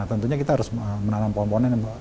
tentunya kita harus menanam komponen